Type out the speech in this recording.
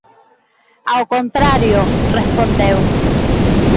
"Ao contrario", respondeu.